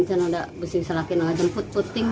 saya tidak bisa lagi menjemput puting